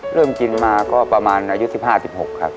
เริ่มกินมาก็ประมาณอายุ๑๕๑๖ครับ